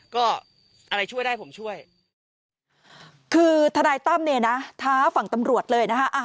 ก็อะไรช่วยได้ผมช่วยคือทนายตั้มเนี่ยนะท้าฝั่งตำรวจเลยนะคะ